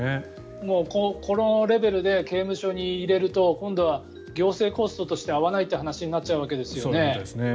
このレベルで刑務所に入れると今度は行政コストとして合わないって話になっちゃうわけですよね。